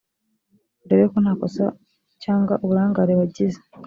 urebe ko nta kosa cyangwa uburangare wagize